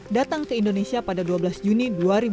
datang ke indonesia pada dua belas juni dua ribu dua puluh